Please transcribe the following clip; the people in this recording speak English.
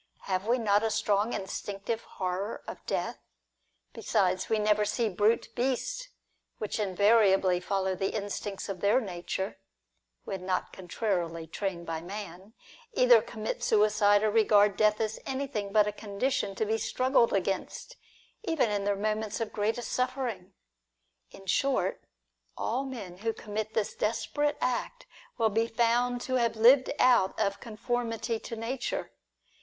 Have we not a strong instinctive horror of death ? Besides, we never see brute beasts, which invariably follow the instincts of their nature (when not contrarily trained by man), either commit suicide, or regard death as anything but a condition to be struggled against, even in their moments of greatest suffering. In short, all men who commit this desperate act, will be found to have lived out of conformity to nature.